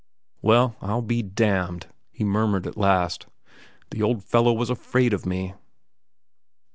"Well, I'll be damned!" he murmured at last. "The old fellow was afraid of me."